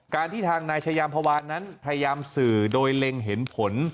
ที่ทางนายชายามพวานนั้นพยายามสื่อโดยเล็งเห็นผล